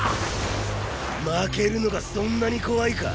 負けるのがそんなに怖いか？